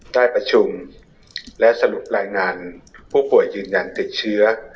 ได้ประชุมและสรุปรายงานผู้ป่วยยืนยันติดเชื้อ